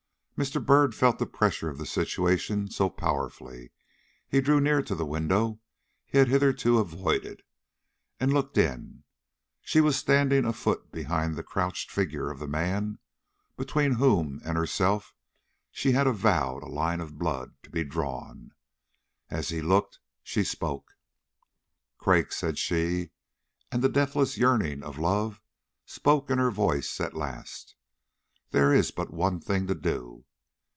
Mr. Byrd felt the pressure of the situation so powerfully, he drew near to the window he had hitherto avoided, and looked in. She was standing a foot behind the crouched figure of the man, between whom and herself she had avowed a line of blood to be drawn. As he looked she spoke. "Craik," said she, and the deathless yearning of love spoke in her voice at last, "there is but one thing to do.